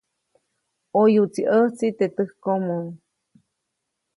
ʼOyuʼtsi ʼäjtsi teʼ täjkomo.